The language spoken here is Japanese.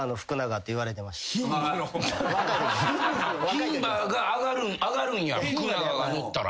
牝馬が上がるんや福永が乗ったら。